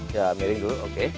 ya wiring dulu oke